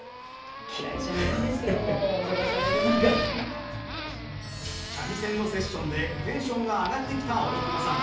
あっ三味線のセッションでテンションが上がってきた大久保さん。